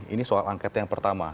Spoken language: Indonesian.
ini soal angket yang pertama